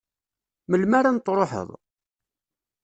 Melmi ara n-truḥeḍ?